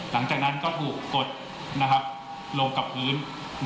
หลังจากนั้นก็ถูกกดลงกับพื้น